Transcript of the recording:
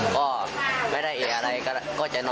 ก็ไปเลยครับคว่ำ